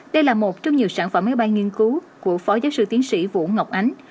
đây là một trong nhiều sản phẩm máy bay nghiên cứu của phó giáo sư tiến sĩ vũ ngọc ánh